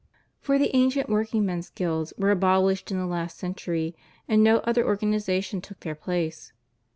For the ancient workingmen's guilds were abolished in the last century, and no other organization took their place.